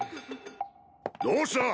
どうした？